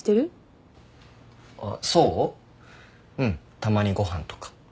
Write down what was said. たまにご飯とか。